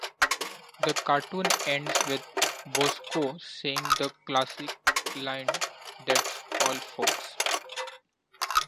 The cartoon ends with Bosko saying the classic line That's all Folks!